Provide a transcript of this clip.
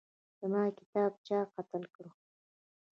زما کتاب چا قتل کړی